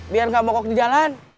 biar nggak mokok di jalan